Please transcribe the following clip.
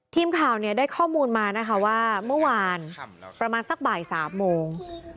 ทีมข่าวเนี่ยได้ข้อมูลมานะคะว่าเมื่อวานประมาณสักบ่าย๓โมง